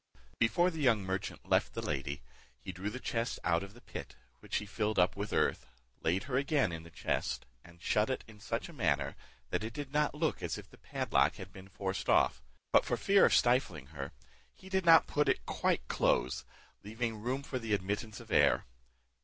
Before the young merchant left the lady, he drew the chest out of the pit, which he filled up with earth, laid her again in the chest, and shut it in such a manner, that it did not look as if the padlock had been forced off; but for fear of stifling her, he did not put it quite close, leaving room for the admittance of air.